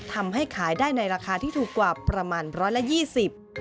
ทำให้ขายได้ในราคาที่ถูกกว่าประมาณ๑๒๐บาท